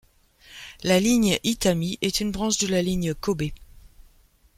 La ligne Itami est une branche de la ligne Kobe.